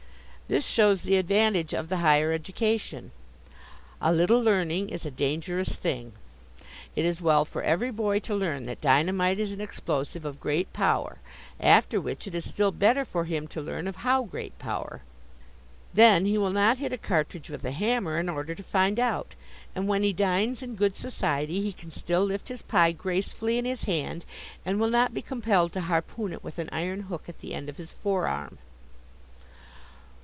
This shows the advantage of the higher education. "A little learning is a dangerous thing." It is well for every boy to learn that dynamite is an explosive of great power, after which it is still better for him to learn of how great power. Then he will not hit a cartridge with a hammer in order to find out, and when he dines in good society he can still lift his pie gracefully in his hand, and will not be compelled to harpoon it with an iron hook at the end of his fore arm.